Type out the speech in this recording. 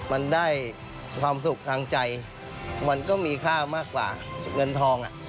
มันได้ความสุขทางใจมันก็มีค่ามากกว่าเงินทอง